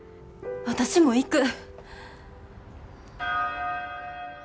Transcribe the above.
私も行く。